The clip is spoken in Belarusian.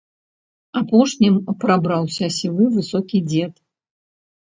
Апошнім прабраўся сівы, высокі дзед.